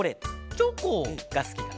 チョコ！がすきかな。